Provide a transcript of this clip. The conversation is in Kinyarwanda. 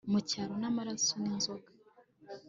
mucyondo n'amaraso n'inzoga